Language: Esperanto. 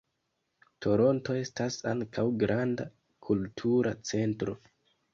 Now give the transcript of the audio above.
Toronto estas ankaŭ granda kultura centro.